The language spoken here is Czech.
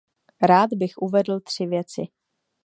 Rád bych uvedl tři věci.